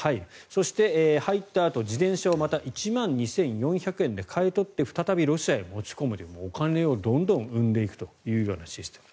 そして入ったあと自転車をまた１万２４００円で買い取って再びロシアへ持ち込むというお金をどんどん生んでいくというシステム。